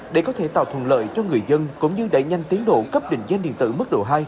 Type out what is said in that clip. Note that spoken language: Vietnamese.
để có thể tạo thuận lợi cho người dân cũng như đẩy nhanh tiến độ cấp định danh điện tử mức độ hai